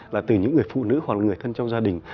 là từ những người phụ nữ hoặc là người thân trong gia đình